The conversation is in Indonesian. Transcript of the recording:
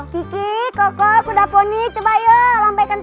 kiki koko kuda poni coba yuk lampaikan tangan